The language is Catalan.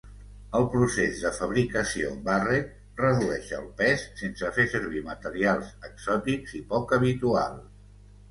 El procés de fabricació Barrett redueix el pes sense fer servir materials exòtics i poc habituals.